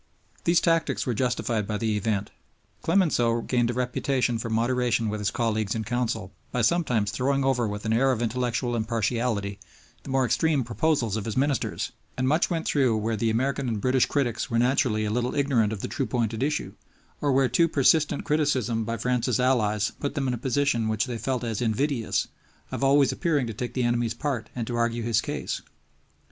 These tactics were justified by the event. Clemenceau gained a reputation for moderation with his colleagues in Council by sometimes throwing over with an air of intellectual impartiality the more extreme proposals of his ministers; and much went through where the American and British critics were naturally a little ignorant of the true point at issue, or where too persistent criticism by France's allies put them in a position which they felt as invidious, of always appearing to take the enemy's part and to argue his case.